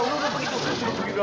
enggak lo udah pergi tuh